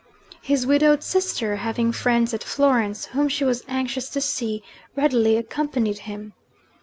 His widowed sister, having friends at Florence whom she was anxious to see, readily accompanied him.